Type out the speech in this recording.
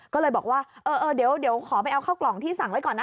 ก็เลยบอกว่าเออเดี๋ยวขอไปเอาข้าวกล่องที่สั่งไว้ก่อนนะ